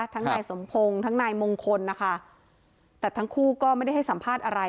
นายสมพงศ์ทั้งนายมงคลนะคะแต่ทั้งคู่ก็ไม่ได้ให้สัมภาษณ์อะไร